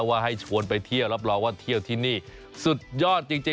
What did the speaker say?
ว่าให้ชวนไปเที่ยวรับรองว่าเที่ยวที่นี่สุดยอดจริง